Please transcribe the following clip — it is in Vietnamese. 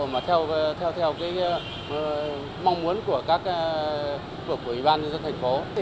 mà theo mong muốn của các quỷ ban dân thành phố